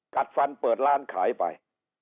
กัดฟันเปิดร้านขายไป